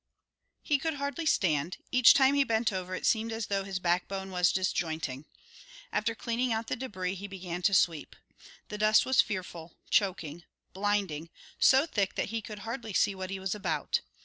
He could hardly stand; each time he bent over it seemed as though his backbone was disjointing. After cleaning out the debris he began to sweep. The dust was fearful, choking, blinding, so thick that he could hardly see what he was about.